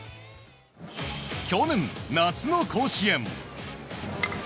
去年、夏の甲子園。